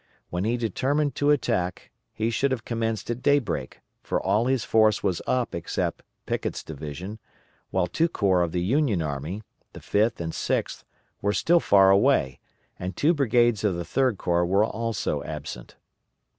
When he determined to attack, he should have commenced at daybreak, for all his force was up except Pickett's division; while two corps of the Union army, the Fifth and Sixth, were still far away, and two brigades of the Third Corps were also absent.